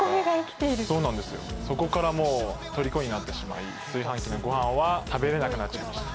そうなんですよ、そこからもうとりこになってしまい、炊飯器のごはんは食べれなくなっちゃいました。